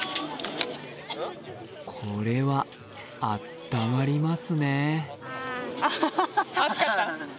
これは、あったまりますね。